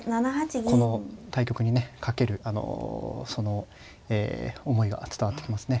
この対局にね懸けるあのその思いが伝わってきますね。